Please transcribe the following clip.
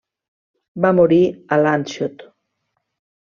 Va morir a Landshut.